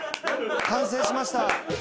完成しました。